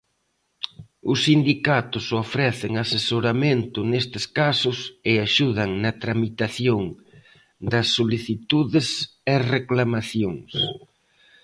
Os sindicatos ofrecen asesoramento nestes casos e axudan na tramitación das solicitudes e reclamacións.